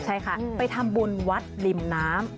ใช่ค่ะไปทำบุญวัดริมน้ำ